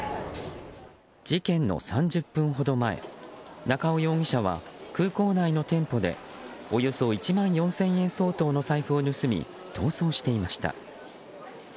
事件の３０分ほど前中尾容疑者は空港内の店舗でおよそ１万４０００円相当の財布を盗み、逃走していました。